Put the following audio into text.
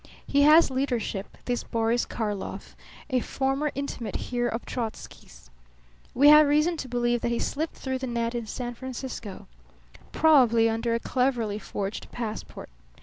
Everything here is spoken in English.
He has leadership, this Boris Karlov, a former intimate here of Trotzky's. We have reason to believe that he slipped through the net in San Francisco. Probably under a cleverly forged passport.